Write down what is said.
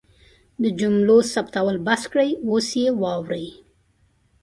د جملو ثبتول بس کړئ اوس یې واورئ